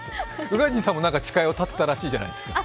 宇賀神さんもなんか誓いを立てたらしいじゃないですか。